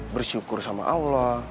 bersyukur sama allah